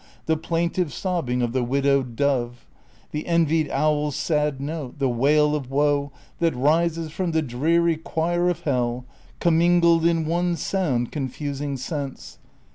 The plaintive sobbing of the widowed dove,^ The envied owl's sad note," ^ the wail of woe That rises from the dreary choir of Hell, Commingled in one sound, confusing sense.